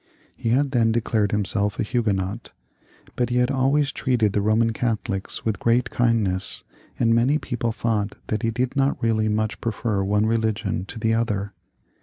He had then declared him self a Huguenot, but he had always treated the Boman Catholics with great kindness, and many people thought that he did not really much prefer either religion to the other.